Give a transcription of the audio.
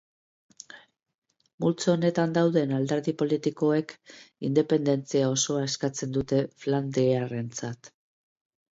Multzo honetan dauden alderdi politikoek independentzia osoa eskatzen dute Flandriarentzat.